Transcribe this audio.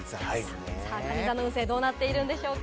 かに座の運勢はどうなっているんでしょうか。